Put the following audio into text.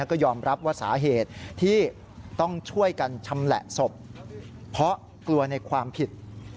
ก็ยอมรับว่าสาเหตุที่ต้องช่วยกันชำแหละศพเพราะกลัวในความผิด